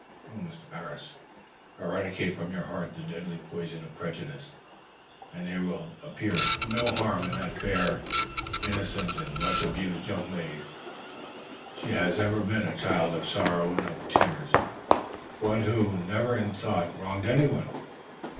Oh, Mr. Parris, eradicate from your heart the deadly poison of prejudice, and there will appear no harm in that fair, innocent and much abused young maid. She has ever been a child of sorrow and of tears, one who never in thought wronged any one.